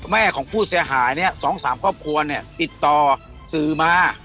แม่ของผู้เสียหายเนี่ย๒๓ครอบครัวเนี่ยติดต่อสื่อมา